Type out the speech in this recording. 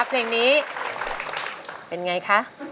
เพลงนี้เป็นอย่างไรค่ะ